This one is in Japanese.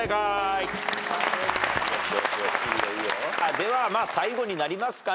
ではまあ最後になりますかね？